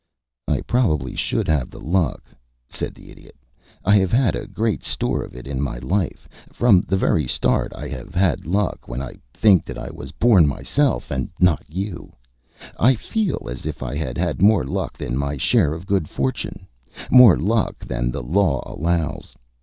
"I probably should have the luck," said the Idiot. "I have had a great store of it in my life. From the very start I have had luck. When I think that I was born myself, and not you, I feel as if I had had more than my share of good fortune more luck than the law allows.